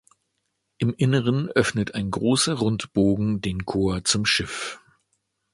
Im Inneren öffnet ein großer Rundbogen den Chor zum Schiff.